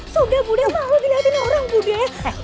sudah budi malu dilihatin orang budi